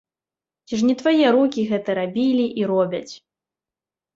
Ці ж не твае рукі гэта рабілі і робяць?